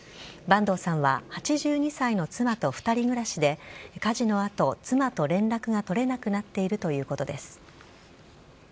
坂東さんは８２歳の妻と２人暮らしで、火事のあと、妻と連絡が取れなくなっているということです。